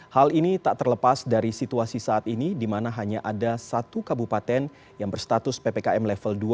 hal ini tak terlepas dari situasi saat ini di mana hanya ada satu kabupaten yang berstatus ppkm level dua